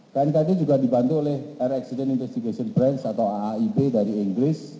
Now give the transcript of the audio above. knkt juga dibantu oleh air accident investigation branch atau aaib dari inggris